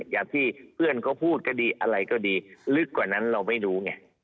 อย่างที่เพื่อนเขาพูดก็ดีอะไรก็ดีลึกกว่านั้นเราไม่รู้ไง